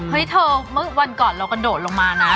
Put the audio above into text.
เฮ้ยเธอวันก่อนเราก็โดดลงมานะ